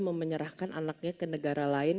memenyerahkan anaknya ke negara lain